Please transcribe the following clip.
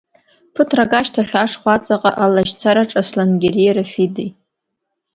Ԥыҭрак ашьҭахь ашхәа аҵаҟа алашьцараҿ Аслангьерии Рафидеи.